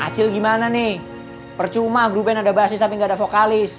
acil gimana nih percuma grup band ada basis tapi gak ada vokalis